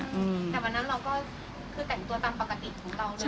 แต่วันนั้นเราก็คือแต่งตัวตามปกติของเราเลย